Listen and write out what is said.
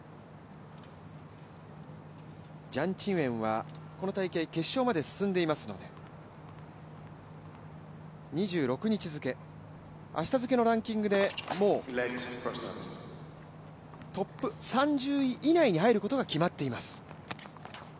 ジャン・チンウェン、この大会決勝まで進んでいますので２６日付、明日付のランキングでもうトップ３０位以内に入ることが決まっています。